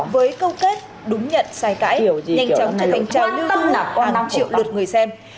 với câu kết đúng nhận sai cãi nhanh chóng thành trang lưu tục hàng triệu lượt người xem